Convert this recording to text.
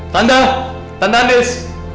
tanda tanda andis